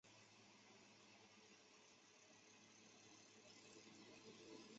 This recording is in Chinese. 劳动部劳动力发展署中彰投分署与台中世贸中心亦设立于此。